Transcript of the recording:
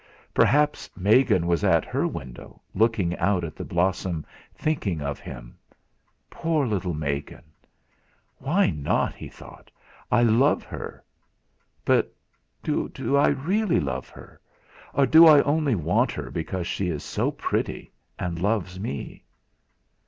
Perhaps Megan was at her window, looking out at the blossom, thinking of him! Poor little Megan! 'Why not?' he thought. 'I love her! But do I really love her? or do I only want her because she is so pretty, and loves me?